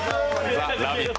「ザ・ラヴィット！」